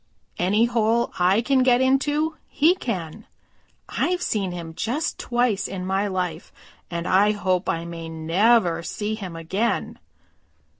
Any hole I can get into he can. I've seen him just twice in my life, and I hope I may never see him again."